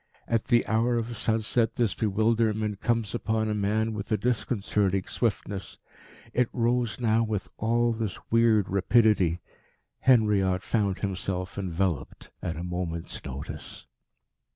At the hour of sunset this bewilderment comes upon a man with a disconcerting swiftness. It rose now with all this weird rapidity. Henriot found himself enveloped at a moment's notice.